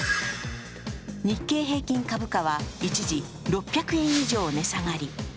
日経平均株価は一時６００円以上値下がり。